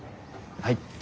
はい。